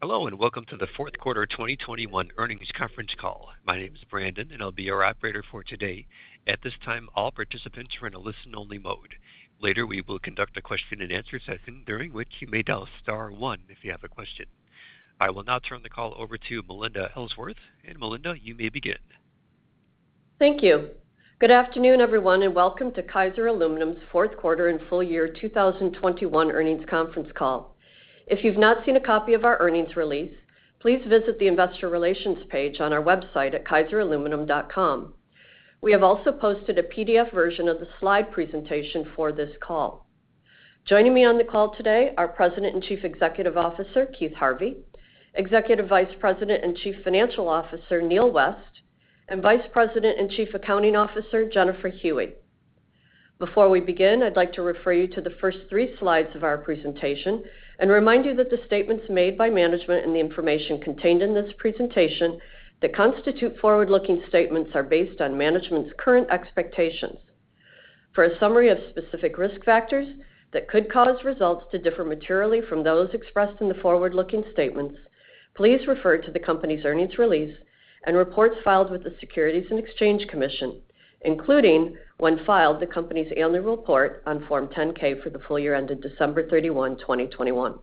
Hello, and welcome to the Fourth Quarter 2021 Earnings Conference Call. My name is Brandon, and I'll be your operator for today. At this time, all participants are in a listen-only mode. Later, we will conduct a question-and-answer session during which you may dial star one if you have a question. I will now turn the call over to Melinda Ellsworth. Melinda, you may begin. Thank you. Good afternoon, everyone, and welcome to Kaiser Aluminum's Fourth Quarter and Full Year 2021 Earnings Conference Call. If you've not seen a copy of our earnings release, please visit the Investor Relations page on our website at kaiseraluminum.com. We have also posted a PDF version of the slide presentation for this call. Joining me on the call today are President and Chief Executive Officer Keith Harvey; Executive Vice President and Chief Financial Officer Neal West; and Vice President and Chief Accounting Officer Jennifer Huey. Before we begin, I'd like to refer you to the first three slides of our presentation and remind you that the statements made by management and the information contained in this presentation that constitute forward-looking statements are based on management's current expectations. For a summary of specific risk factors that could cause results to differ materially from those expressed in the forward-looking statements, please refer to the company's earnings release and reports filed with the Securities and Exchange Commission, including, when filed, the company's annual report on Form 10-K for the full year ended December 31, 2021.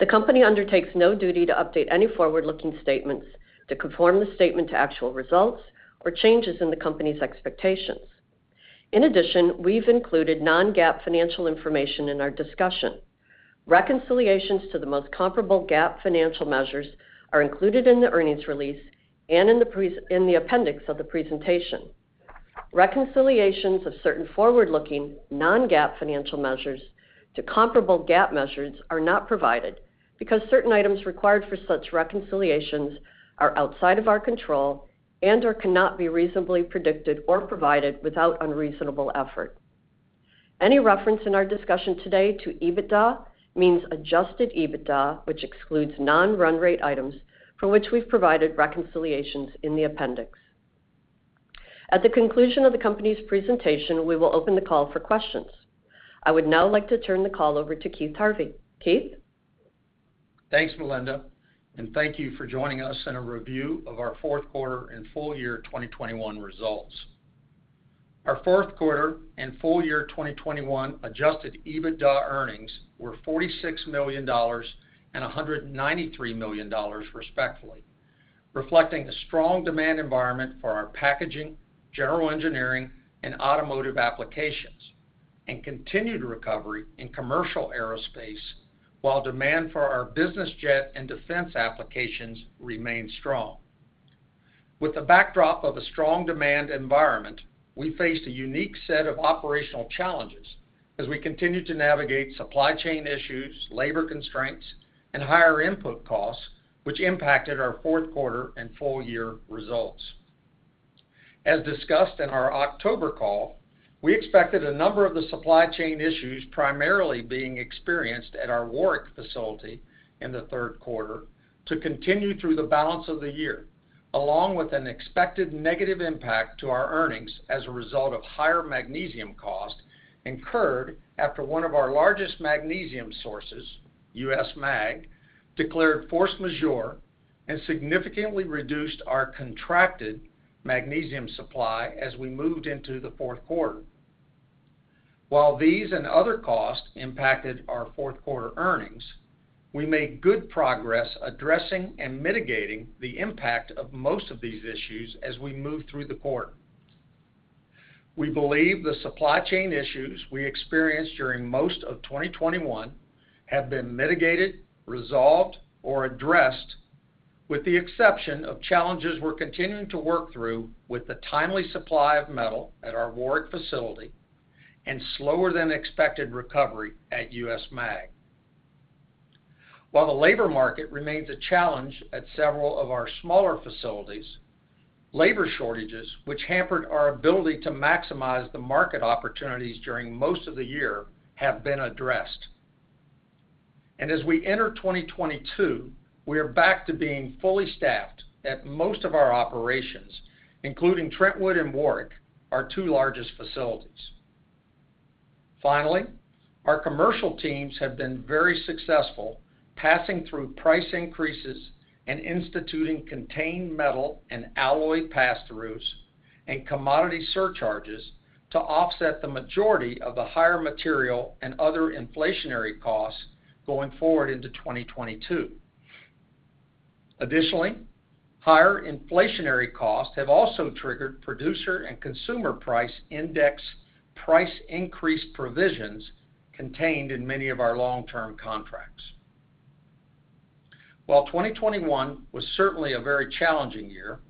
The company undertakes no duty to update any forward-looking statements to conform the statement to actual results or changes in the company's expectations. In addition, we've included non-GAAP financial information in our discussion. Reconciliations to the most comparable GAAP financial measures are included in the earnings release and in the appendix of the presentation. Reconciliations of certain forward-looking non-GAAP financial measures to comparable GAAP measures are not provided because certain items required for such reconciliations are outside of our control and/or cannot be reasonably predicted or provided without unreasonable effort. Any reference in our discussion today to EBITDA means adjusted EBITDA, which excludes non-run rate items for which we've provided reconciliations in the appendix. At the conclusion of the company's presentation, we will open the call for questions. I would now like to turn the call over to Keith Harvey. Keith? Thanks, Melinda, and thank you for joining us in a review of our fourth quarter and full year 2021 results. Our fourth quarter and full year 2021 Adjusted EBITDA earnings were $46 million and $193 million, respectively, reflecting a strong demand environment for our packaging, general engineering, and automotive applications, and continued recovery in commercial aerospace, while demand for our business jet and defense applications remained strong. With the backdrop of a strong demand environment, we faced a unique set of operational challenges as we continued to navigate supply chain issues, labor constraints, and higher input costs, which impacted our fourth quarter and full year results. As discussed in our October call, we expected a number of the supply chain issues primarily being experienced at our Warrick facility in the third quarter to continue through the balance of the year, along with an expected negative impact to our earnings as a result of higher magnesium cost incurred after one of our largest magnesium sources, U.S. Mag, declared force majeure and significantly reduced our contracted magnesium supply as we moved into the fourth quarter. While these and other costs impacted our fourth quarter earnings, we made good progress addressing and mitigating the impact of most of these issues as we moved through the quarter. We believe the supply chain issues we experienced during most of 2021 have been mitigated, resolved, or addressed with the exception of challenges we're continuing to work through with the timely supply of metal at our Warrick Facility and slower than expected recovery at U.S. Mag. While the labor market remains a challenge at several of our smaller facilities, labor shortages, which hampered our ability to maximize the market opportunities during most of the year, have been addressed. As we enter 2022, we are back to being fully staffed at most of our operations, including Trentwood and Warrick, our two largest facilities. Finally, our commercial teams have been very successful passing through price increases and instituting contained metal and alloy pass-throughs and commodity surcharges to offset the majority of the higher material and other inflationary costs going forward into 2022. Additionally, higher inflationary costs have also triggered producer and consumer price index price increase provisions contained in many of our long-term contracts. While 2021 was certainly a very challenging year,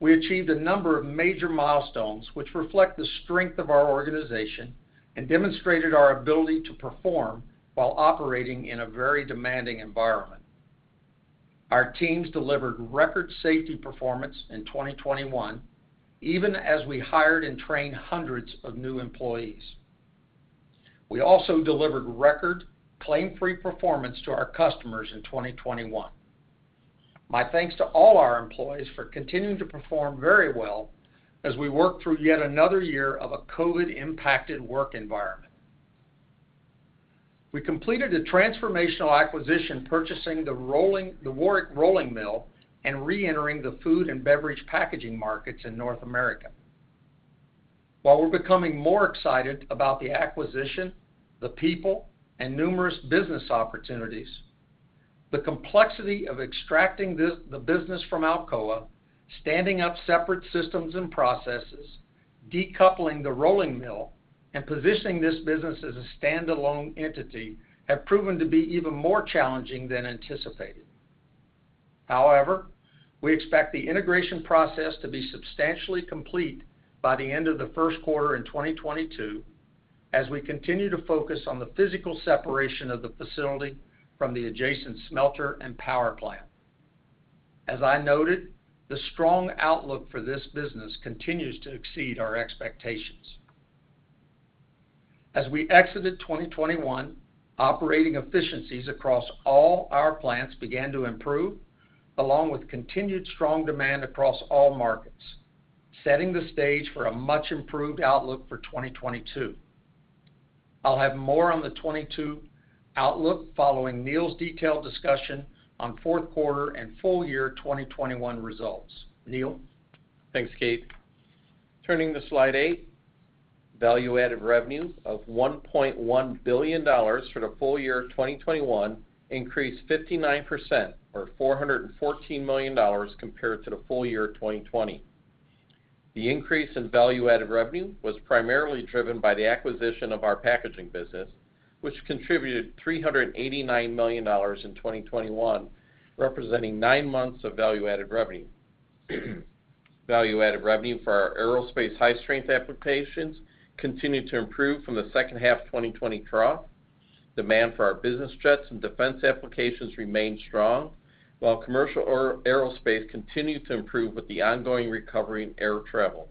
we achieved a number of major milestones which reflect the strength of our organization and demonstrated our ability to perform while operating in a very demanding environment. Our teams delivered record safety performance in 2021, even as we hired and trained hundreds of new employees. We also delivered record claim-free performance to our customers in 2021. My thanks to all our employees for continuing to perform very well as we work through yet another year of a COVID-impacted work environment. We completed a transformational acquisition, purchasing the Warrick Rolling Mill and reentering the food and beverage packaging markets in North America. While we're becoming more excited about the acquisition, the people and numerous business opportunities, the complexity of extracting the business from Alcoa, standing up separate systems and processes, decoupling the rolling mill, and positioning this business as a standalone entity have proven to be even more challenging than anticipated. However, we expect the integration process to be substantially complete by the end of the first quarter in 2022 as we continue to focus on the physical separation of the facility from the adjacent smelter and power plant. As I noted, the strong outlook for this business continues to exceed our expectations. As we exited 2021, operating efficiencies across all our plants began to improve, along with continued strong demand across all markets, setting the stage for a much improved outlook for 2022. I'll have more on the 2022 outlook following Neal's detailed discussion on fourth quarter and full year 2021 results. Neal? Thanks, Keith. Turning to slide eight. Value-added revenues of $1.1 billion for the full year 2021 increased 59% or $414 million compared to the full year 2020. The increase in value-added revenue was primarily driven by the acquisition of our packaging business, which contributed $389 million in 2021, representing nine months of value-added revenue. Value-added revenue for our aerospace and high strength applications continued to improve from the second half of 2020 drop. Demand for our business jets and defense applications remained strong, while commercial aerospace continued to improve with the ongoing recovery in air travel.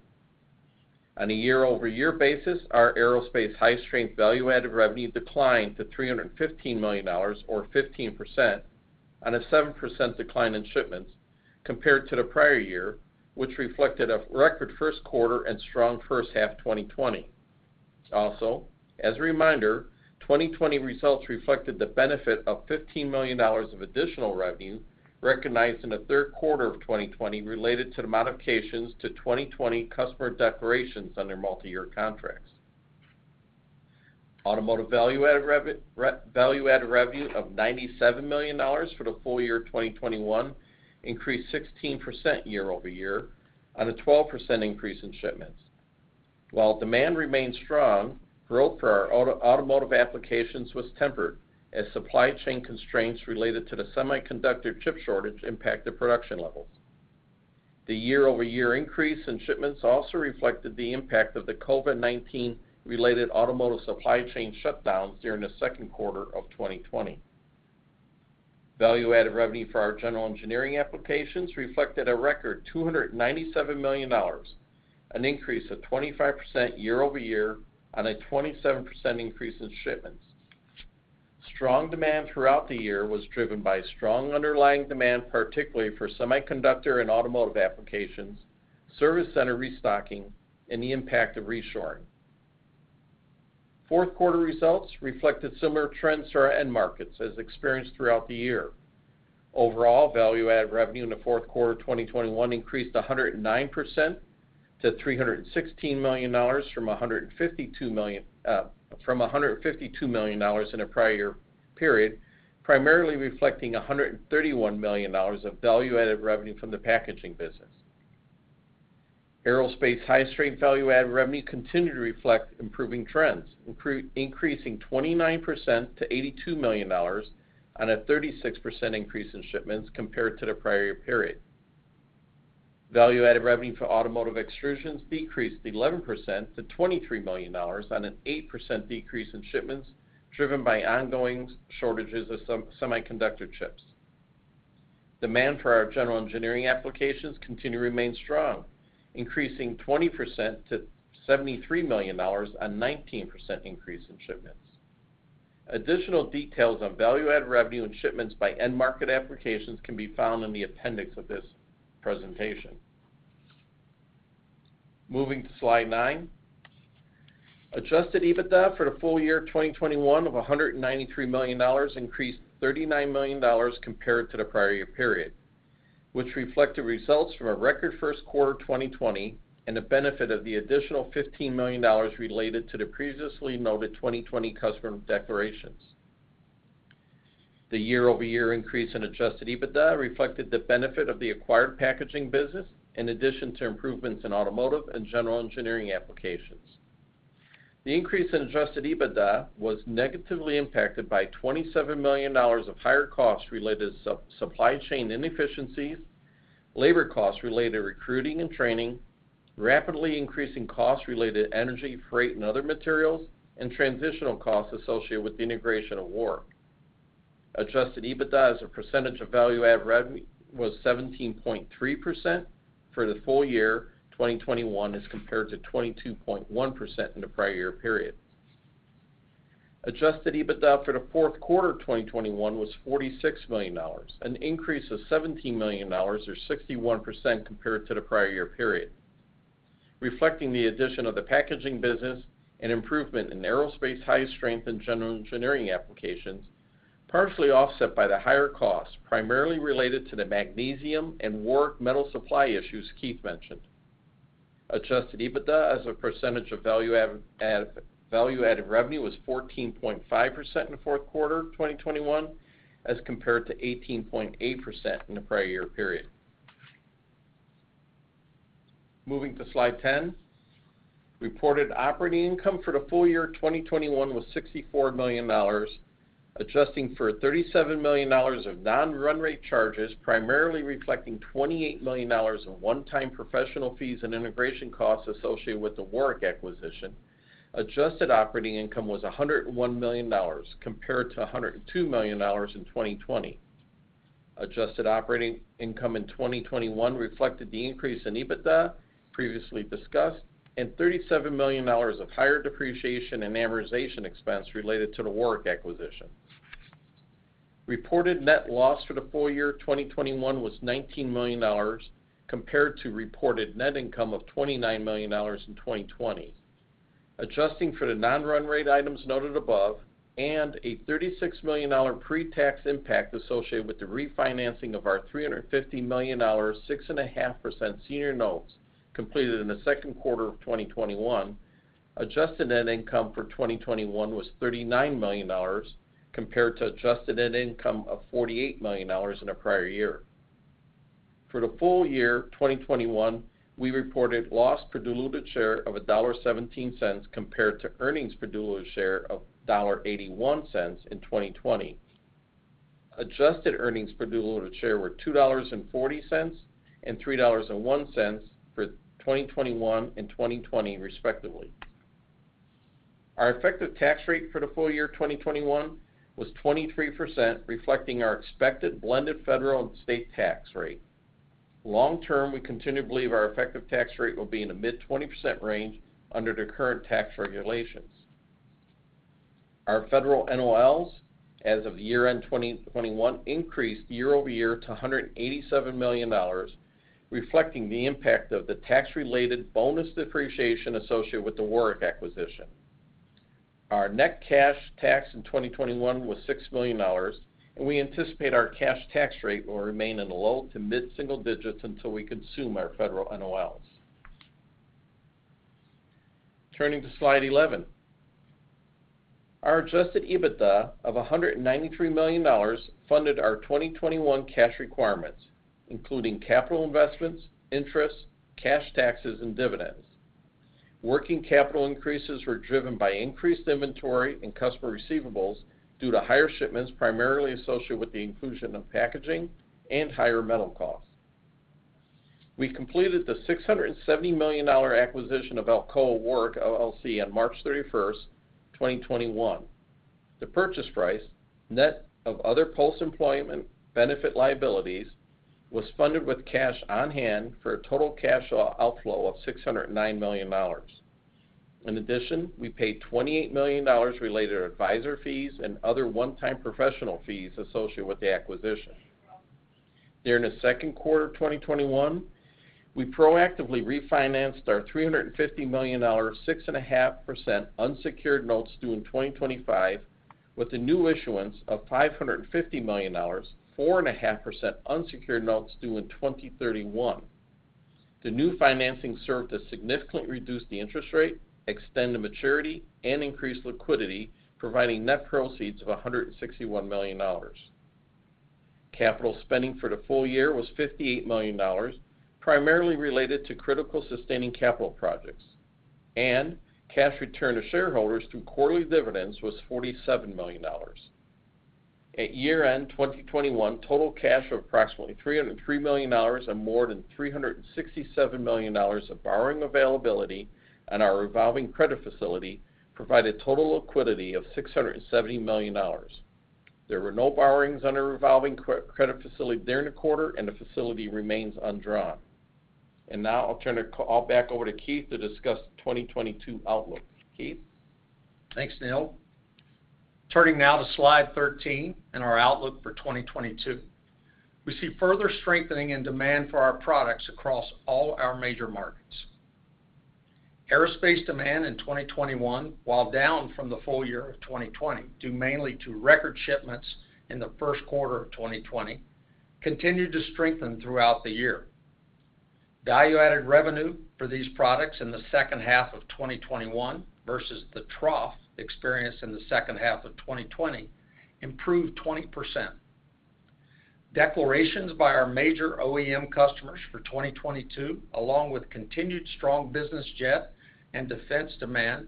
On a year-over-year basis, our aerospace high strength value-added revenue declined to $315 million or 15% on a 7% decline in shipments compared to the prior year, which reflected a record first quarter and strong first half 2020. Also, as a reminder, 2020 results reflected the benefit of $15 million of additional revenue recognized in the third quarter of 2020 related to the modifications to 2020 customer declarations under multi-year contracts. Automotive value-added revenue of $97 million for the full year 2021 increased 16% year-over-year on a 12% increase in shipments. While demand remained strong, growth for our automotive applications was tempered as supply chain constraints related to the semiconductor chip shortage impacted production levels. The year-over-year increase in shipments also reflected the impact of the COVID-19 related automotive supply chain shutdowns during the second quarter of 2020. Value-added revenue for our general engineering applications reflected a record $297 million, an increase of 25% year-over-year on a 27% increase in shipments. Strong demand throughout the year was driven by strong underlying demand, particularly for semiconductor and automotive applications, service center restocking, and the impact of reshoring. Fourth quarter results reflected similar trends to our end markets as experienced throughout the year. Overall, value-added revenue in the fourth quarter of 2021 increased 109% to $316 million from $152 million in the prior year period, primarily reflecting $131 million of value-added revenue from the packaging business. Aerospace high strength value-added revenue continued to reflect improving trends, increasing 29% to $82 million on a 36% increase in shipments compared to the prior year period. Value-added revenue for automotive extrusions decreased 11% to $23 million on an 8% decrease in shipments, driven by ongoing shortages of semiconductor chips. Demand for our general engineering applications continues to remain strong, increasing 20% to $73 million on 19% increase in shipments. Additional details on value-added revenue and shipments by end market applications can be found in the appendix of this presentation. Moving to slide nine. Adjusted EBITDA for the full year of 2021 of $193 million increased $39 million compared to the prior year period, which reflected results from a record first quarter of 2020 and the benefit of the additional $15 million related to the previously noted 2020 customer declarations. The year-over-year increase in Adjusted EBITDA reflected the benefit of the acquired packaging business in addition to improvements in automotive and general engineering applications. The increase in Adjusted EBITDA was negatively impacted by $27 million of higher costs related to supply chain inefficiencies, labor costs related to recruiting and training, rapidly increasing costs related to energy, freight, and other materials, and transitional costs associated with the integration of Warrick. Adjusted EBITDA as a percentage of value-added revenue was 17.3% for the full year 2021 as compared to 22.1% in the prior year period. Adjusted EBITDA for the fourth quarter 2021 was $46 million, an increase of $17 million or 61% compared to the prior year period, reflecting the addition of the packaging business and improvement in aerospace and high strength and general engineering applications, partially offset by the higher costs, primarily related to the magnesium and Warrick metal supply issues Keith mentioned. Adjusted EBITDA as a percentage of value-added revenue was 14.5% in the fourth quarter 2021 as compared to 18.8% in the prior year period. Moving to slide 10. Reported operating income for the full year 2021 was $64 million. Adjusting for $37 million of non-run rate charges, primarily reflecting $28 million in one-time professional fees and integration costs associated with the Warrick acquisition. Adjusted operating income was $101 million compared to $102 million in 2020. Adjusted operating income in 2021 reflected the increase in EBITDA previously discussed, and $37 million of higher depreciation and amortization expense related to the Warrick acquisition. Reported net loss for the full year 2021 was $19 million compared to reported net income of $29 million in 2020. Adjusting for the non-run rate items noted above, and a $36 million pre-tax impact associated with the refinancing of our $350 million, 6.5% senior notes completed in the second quarter of 2021. Adjusted net income for 2021 was $39 million compared to adjusted net income of $48 million in the prior year. For the full year 2021, we reported loss per diluted share of $1.17 compared to earnings per diluted share of $0.81 in 2020. Adjusted earnings per diluted share were $2.40 and $3.01 for 2021 and 2020, respectively. Our effective tax rate for the full year 2021 was 23%, reflecting our expected blended federal and state tax rate. Long term, we continue to believe our effective tax rate will be in the mid-20% range under the current tax regulations. Our federal NOLs as of year-end 2021 increased year-over-year to $187 million, reflecting the impact of the tax-related bonus depreciation associated with the Warrick acquisition. Our net cash tax in 2021 was $6 million, and we anticipate our cash tax rate will remain in the low to mid-single digits until we consume our federal NOLs. Turning to slide 11. Our Adjusted EBITDA of $193 million funded our 2021 cash requirements, including capital investments, interest, cash taxes, and dividends. Working capital increases were driven by increased inventory and customer receivables due to higher shipments, primarily associated with the inclusion of packaging and higher metal costs. We completed the $670 million acquisition of Alcoa Warrick LLC on March 31st, 2021. The purchase price, net of other post-employment benefit liabilities, was funded with cash on-hand for a total cash outflow of $609 million. In addition, we paid $28 million related to advisor fees and other one-time professional fees associated with the acquisition. During the second quarter of 2021, we proactively refinanced our $350 million, 6.5% unsecured notes due in 2025 with a new issuance of $550 million, 4.5% unsecured notes due in 2031. The new financing served to significantly reduce the interest rate, extend the maturity, and increase liquidity, providing net proceeds of $161 million. Capital spending for the full year was $58 million, primarily related to critical sustaining capital projects. Cash return to shareholders through quarterly dividends was $47 million. At year-end 2021, total cash of approximately $303 million and more than $367 million of borrowing availability on our revolving credit facility provided total liquidity of $670 million. There were no borrowings on our revolving credit facility during the quarter, and the facility remains undrawn. Now I'll turn it back over to Keith to discuss the 2022 outlook. Keith? Thanks, Neal. Turning now to slide 13 and our outlook for 2022. We see further strengthening in demand for our products across all our major markets. Aerospace demand in 2021, while down from the full year of 2020, due mainly to record shipments in the first quarter of 2020, continued to strengthen throughout the year. Value-added revenue for these products in the second half of 2021 versus the trough experienced in the second half of 2020 improved 20%. Declarations by our major OEM customers for 2022, along with continued strong business jet and defense demand,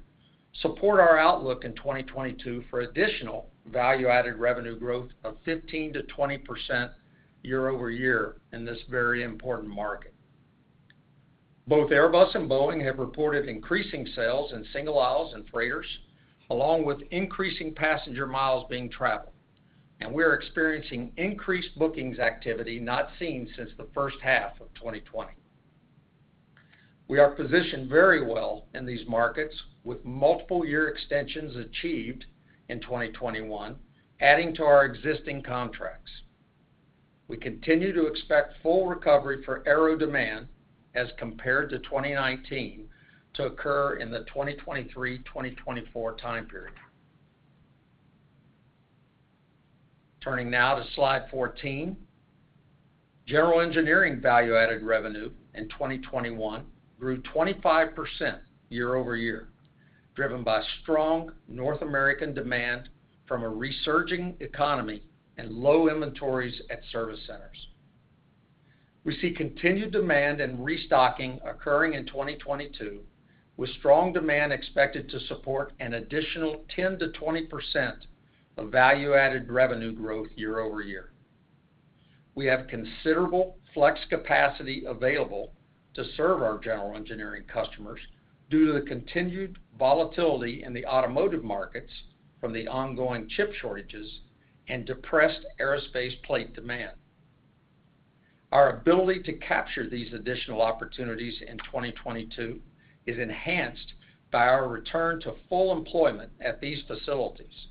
support our outlook in 2022 for additional value-added revenue growth of 15%-20% year-over-year in this very important market. Both Airbus and Boeing have reported increasing sales in single aisles and freighters, along with increasing passenger miles being traveled, and we are experiencing increased bookings activity not seen since the first half of 2020. We are positioned very well in these markets with multiple year extensions achieved in 2021, adding to our existing contracts. We continue to expect full recovery for aero demand as compared to 2019 to occur in the 2023-2024 time period. Turning now to slide 14. General engineering value-added revenue in 2021 grew 25% year-over-year, driven by strong North American demand from a resurging economy and low inventories at service centers. We see continued demand and restocking occurring in 2022, with strong demand expected to support an additional 10%-20% of value-added revenue growth year-over-year. We have considerable flex capacity available to serve our General Engineering customers due to the continued volatility in the Automotive markets from the ongoing chip shortages and depressed Aerospace plate demand. Our ability to capture these additional opportunities in 2022 is enhanced by our return to full employment at these facilities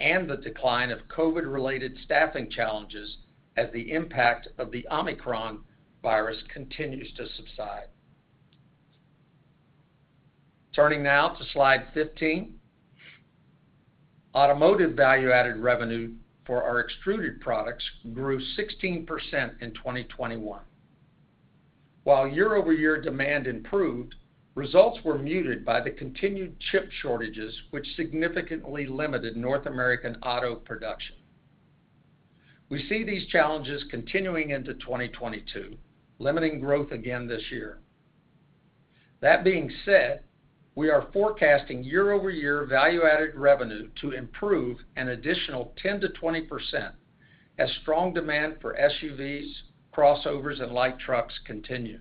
and the decline of COVID-19-related staffing challenges as the impact of the Omicron virus continues to subside. Turning now to slide 15. Automotive value-added revenue for our extruded products grew 16% in 2021. While year-over-year demand improved, results were muted by the continued chip shortages which significantly limited North American auto production. We see these challenges continuing into 2022, limiting growth again this year. That being said, we are forecasting year-over-year value-added revenue to improve an additional 10%-20% as strong demand for SUVs, crossovers, and light trucks continue.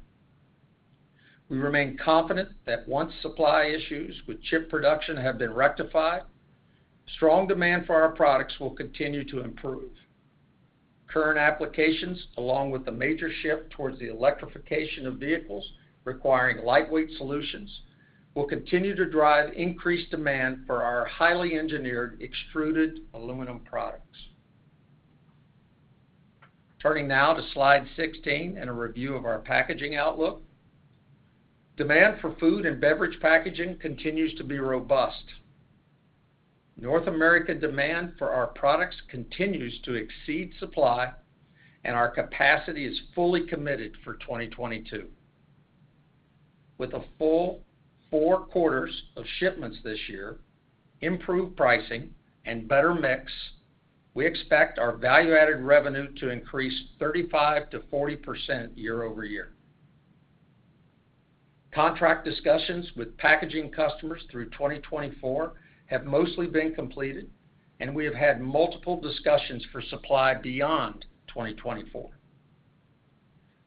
We remain confident that once supply issues with chip production have been rectified, strong demand for our products will continue to improve. Current applications, along with the major shift towards the electrification of vehicles requiring lightweight solutions, will continue to drive increased demand for our highly engineered extruded aluminum products. Turning now to slide 16 and a review of our packaging outlook. Demand for food and beverage packaging continues to be robust. North America demand for our products continues to exceed supply, and our capacity is fully committed for 2022. With a full four quarters of shipments this year, improved pricing, and better mix, we expect our value-added revenue to increase 35%-40% year-over-year. Contract discussions with packaging customers through 2024 have mostly been completed, and we have had multiple discussions for supply beyond 2024.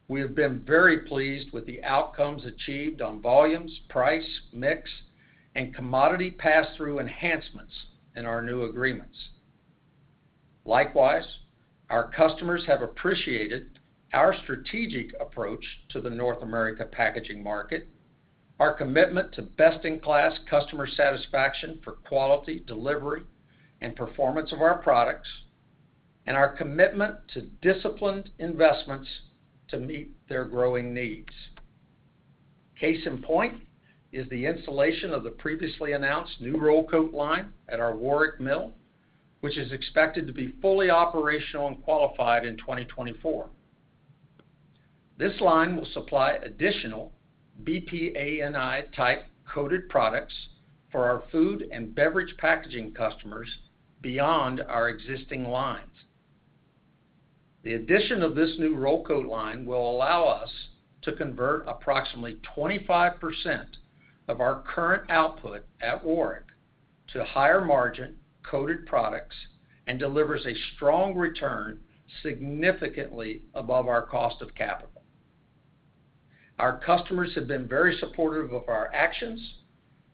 We have been very pleased with the outcomes achieved on volumes, price, mix, and commodity passthrough enhancements in our new agreements. Likewise, our customers have appreciated our strategic approach to the North America packaging market, our commitment to best-in-class customer satisfaction for quality, delivery, and performance of our products, and our commitment to disciplined investments to meet their growing needs. Case in point is the installation of the previously announced new roll coat line at our Warrick Mill, which is expected to be fully operational and qualified in 2024. This line will supply additional BPA-NI-type coated products for our food and beverage packaging customers beyond our existing lines. The addition of this new roll coat line will allow us to convert approximately 25% of our current output at Warrick to higher-margin coated products and delivers a strong return significantly above our cost of capital. Our customers have been very supportive of our actions,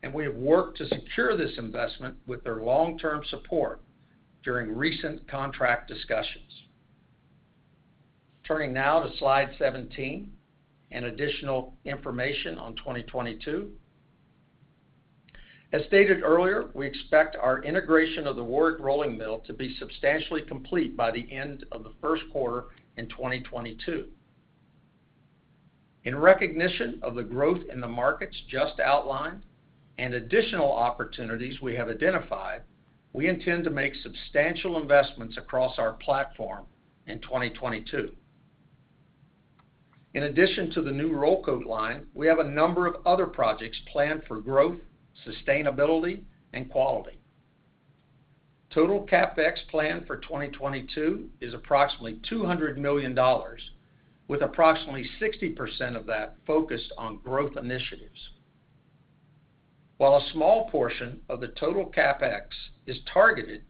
and we have worked to secure this investment with their long-term support during recent contract discussions. Turning now to slide 17 and additional information on 2022. As stated earlier, we expect our integration of the Warrick Rolling Mill to be substantially complete by the end of the first quarter in 2022. In recognition of the growth in the markets just outlined and additional opportunities we have identified, we intend to make substantial investments across our platform in 2022. In addition to the new roll coat line, we have a number of other projects planned for growth, sustainability, and quality. Total CapEx plan for 2022 is approximately $200 million, with approximately 60% of that focused on growth initiatives. While a small portion of the total CapEx is targeted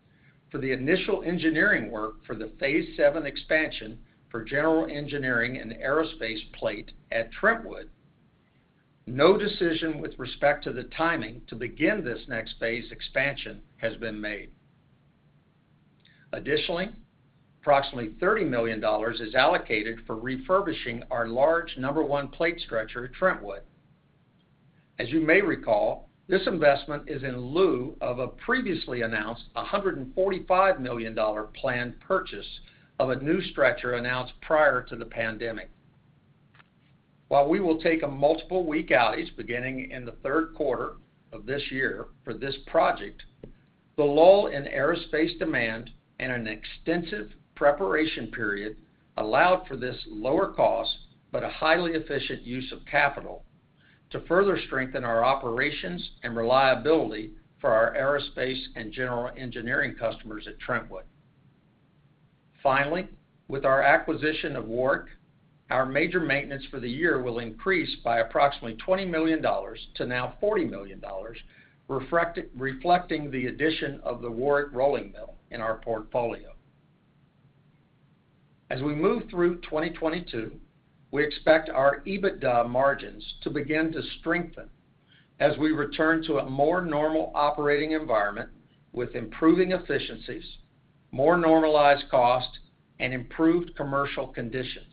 for the initial engineering work for the phase VII expansion for general engineering and aerospace plate at Trentwood, no decision with respect to the timing to begin this next phase expansion has been made. Additionally, approximately $30 million is allocated for refurbishing our large number one plate stretcher at Trentwood. As you may recall, this investment is in lieu of a previously announced $145 million planned purchase of a new stretcher announced prior to the pandemic. While we will take a multiple week outage beginning in the third quarter of this year for this project, the lull in aerospace demand and an extensive preparation period allowed for this lower cost, but a highly efficient use of capital to further strengthen our operations and reliability for our aerospace and general engineering customers at Trentwood. Finally, with our acquisition of Warrick, our major maintenance for the year will increase by approximately $20 million to now $40 million, reflecting the addition of the Warrick rolling mill in our portfolio. As we move through 2022, we expect our EBITDA margins to begin to strengthen as we return to a more normal operating environment with improving efficiencies, more normalized costs, and improved commercial conditions.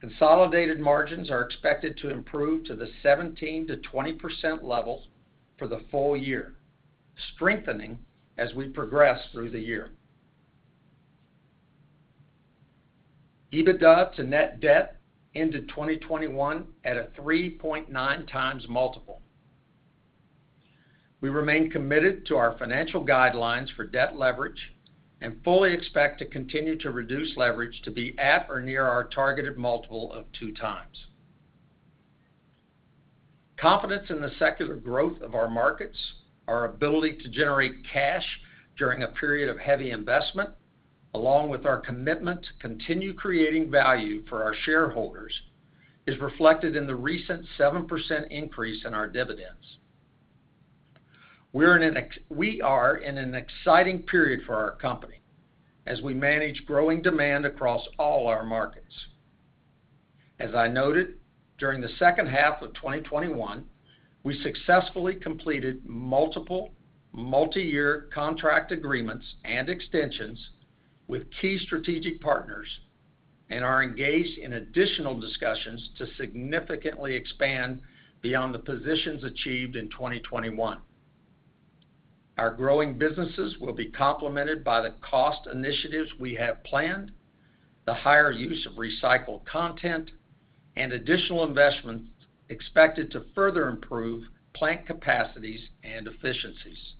Consolidated margins are expected to improve to the 17%-20% level for the full year, strengthening as we progress through the year. EBITDA to net debt ended 2021 at a 3.9x multiple. We remain committed to our financial guidelines for debt leverage and fully expect to continue to reduce leverage to be at or near our targeted multiple of 2x. Confidence in the secular growth of our markets, our ability to generate cash during a period of heavy investment, along with our commitment to continue creating value for our shareholders, is reflected in the recent 7% increase in our dividends. We are in an exciting period for our company as we manage growing demand across all our markets. As I noted, during the second half of 2021, we successfully completed multiple multiyear contract agreements and extensions with key strategic partners and are engaged in additional discussions to significantly expand beyond the positions achieved in 2021. Our growing businesses will be complemented by the cost initiatives we have planned, the higher use of recycled content, and additional investments expected to further improve plant capacities and efficiencies.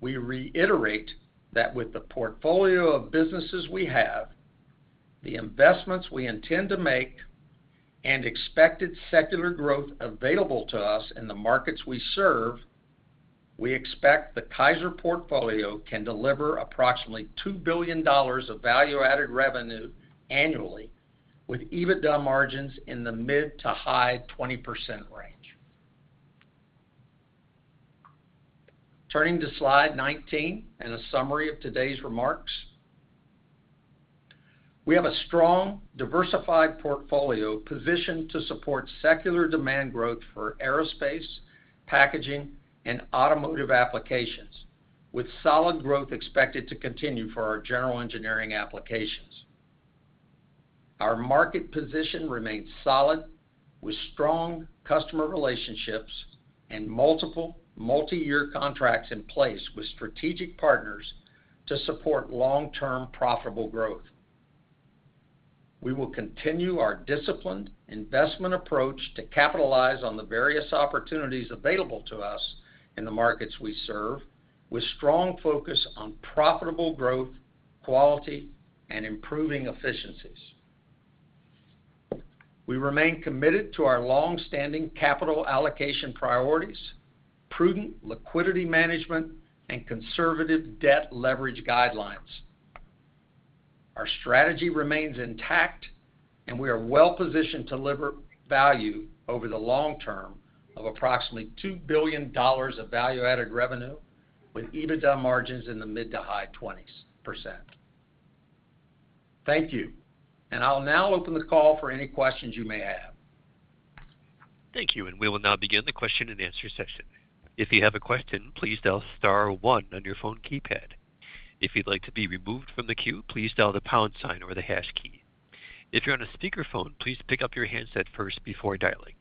We reiterate that with the portfolio of businesses we have, the investments we intend to make, and expected secular growth available to us in the markets we serve, we expect the Kaiser portfolio can deliver approximately $2 billion of value-added revenue annually with EBITDA margins in the mid- to high-20% range. Turning to slide 19 and a summary of today's remarks. We have a strong, diversified portfolio positioned to support secular demand growth for aerospace, packaging, and automotive applications, with solid growth expected to continue for our general engineering applications. Our market position remains solid with strong customer relationships and multiple multiyear contracts in place with strategic partners to support long-term profitable growth. We will continue our disciplined investment approach to capitalize on the various opportunities available to us in the markets we serve with strong focus on profitable growth, quality, and improving efficiencies. We remain committed to our long-standing capital allocation priorities, prudent liquidity management, and conservative debt leverage guidelines. Our strategy remains intact, and we are well-positioned to deliver value over the long term of approximately $2 billion of value-added revenue with EBITDA margins in the mid- to high-20s%. Thank you. I'll now open the call for any questions you may have. Thank you. We will now begin the question-and-answer session. If you have a question, please dial star one on your phone keypad. If you'd like to be removed from the queue, please dial the pound sign or the hash key. If you're on a speakerphone, please pick up your handset first before dialing.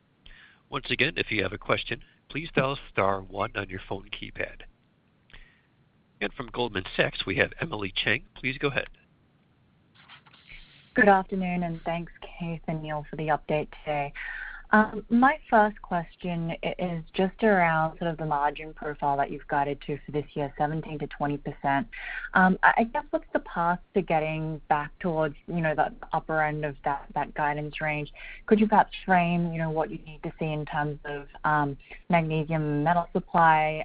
Once again, if you have a question, please dial star one on your phone keypad. From Goldman Sachs, we have Emily Chieng. Please go ahead. Good afternoon, and thanks, Keith and Neal, for the update today. My first question is just around sort of the margin profile that you've guided to for this year, 17%-20%. I guess, what's the path to getting back towards, you know, the upper end of that guidance range? Could you perhaps frame, you know, what you need to see in terms of magnesium metal supply,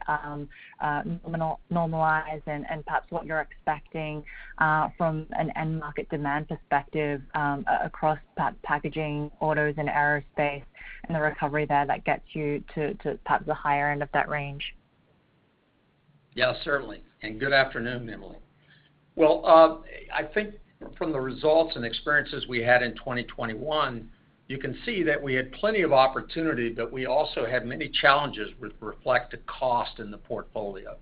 normalize and perhaps what you're expecting from an end market demand perspective, across perhaps packaging, autos and aerospace and the recovery there that gets you to perhaps the higher end of that range? Yeah, certainly. Good afternoon, Emily. I think from the results and experiences we had in 2021, you can see that we had plenty of opportunity, but we also had many challenges which reflect the cost in the portfolio.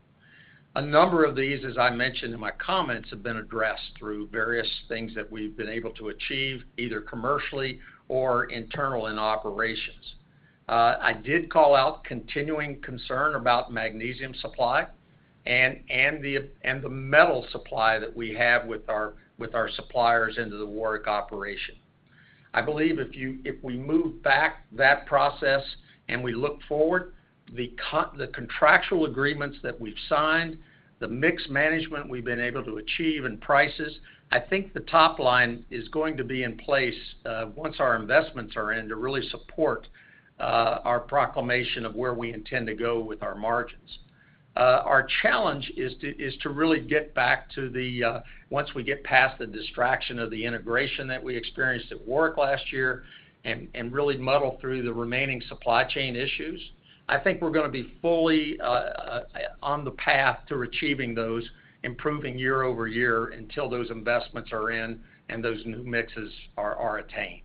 A number of these, as I mentioned in my comments, have been addressed through various things that we've been able to achieve, either commercially or internally in operations. I did call out continuing concern about magnesium supply and the metal supply that we have with our suppliers into the Warrick operation. I believe if we move back that process and we look forward, the contractual agreements that we've signed, the mix management we've been able to achieve and prices, I think the top line is going to be in place, once our investments are in to really support our proclamation of where we intend to go with our margins. Our challenge is to really get back to the once we get past the distraction of the integration that we experienced at Warrick last year and really muddle through the remaining supply chain issues. I think we're gonna be fully on the path to achieving those, improving year-over-year until those investments are in and those new mixes are attained.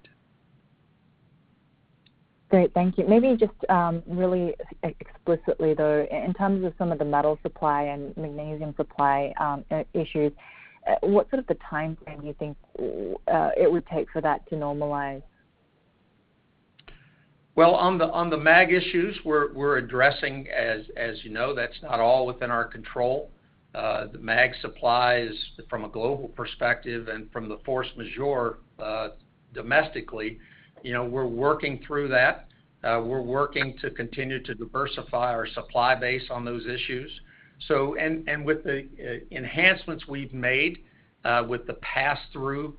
Great. Thank you. Maybe just really explicitly, though, in terms of some of the metal supply and magnesium supply issues, what sort of the timeframe do you think it would take for that to normalize? Well, on the mag issues we're addressing, as you know, that's not all within our control. The mag supply is from a global perspective and from the force majeure, domestically, we're working through that. We're working to continue to diversify our supply base on those issues. With the enhancements we've made with the pass-through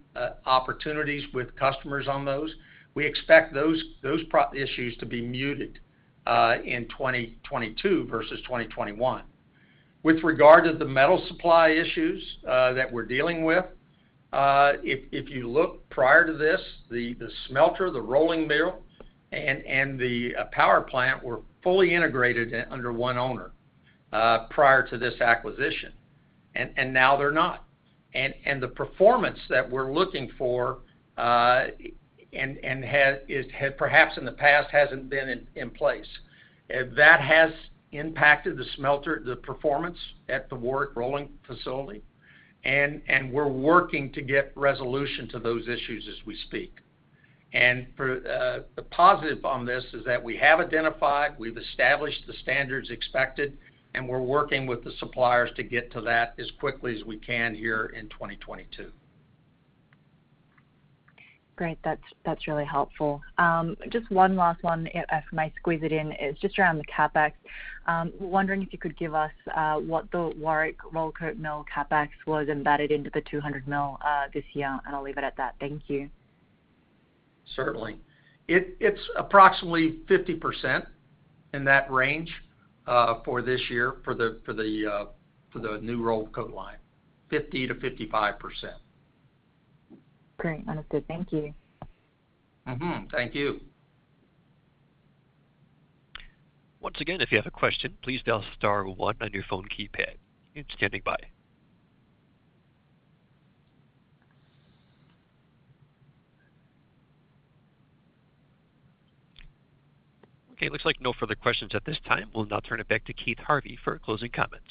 opportunities with customers on those, we expect those issues to be muted in 2022 versus 2021. With regard to the metal supply issues that we're dealing with, if you look prior to this, the smelter, the rolling mill and the power plant were fully integrated under one owner prior to this acquisition. Now they're not. The performance that we're looking for perhaps hasn't been in place in the past. That has impacted the smelter performance at the Warrick rolling facility. We're working to get resolution to those issues as we speak. The positive on this is that we have identified, we've established the standards expected, and we're working with the suppliers to get to that as quickly as we can here in 2022. Great. That's really helpful. Just one last one, if I might squeeze it in, is just around the CapEx. Wondering if you could give us what the Warrick roll coat mill CapEx was embedded into the $200 million this year, and I'll leave it at that. Thank you. Certainly. It's approximately 50% in that range for this year for the new roll coat line, 50%-55%. Great. Understood. Thank you. Mm-hmm. Thank you. Once again, if you have a question, please dial star one on your phone keypad. Standing by. Okay, it looks like no further questions at this time. We'll now turn it back to Keith Harvey for closing comments.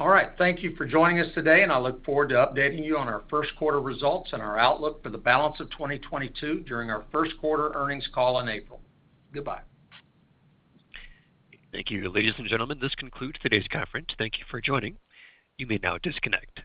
All right. Thank you for joining us today, and I look forward to updating you on our first quarter results and our outlook for the balance of 2022 during our first quarter earnings call in April. Goodbye. Thank you. Ladies and gentlemen, this concludes today's conference. Thank you for joining. You may now disconnect.